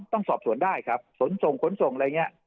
ต้องสอบสวนได้ครับขนส่งขนส่งอะไรอย่างนี้